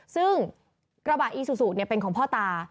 ซึ่งกระบะอีซูซูเป็นของพ่อตา